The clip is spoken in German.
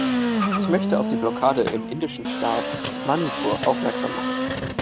Ich möchte auf die Blockade im indischen Staat Manipur aufmerksam machen.